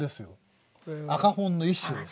赤本の一種です。